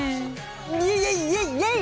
イエイイエイイエイイエイ！